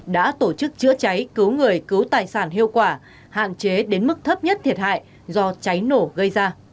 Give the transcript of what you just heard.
đã tổ chức chữa cháy cứu người cứu tài sản hiệu quả hạn chế đến mức thấp nhất thiệt hại do cháy nổ gây ra